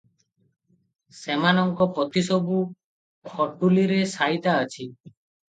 ସେମାନଙ୍କ ପୋଥି ସବୁ ଖଟୁଲିରେ ସାଇତା ଅଛି ।